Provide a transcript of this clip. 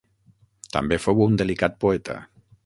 També fou un delicat poeta.